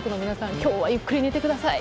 今日はゆっくり寝てください！